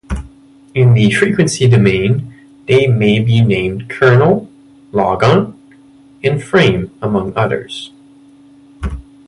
In the frequency domain they may be named kernel, logon, and frame, among others.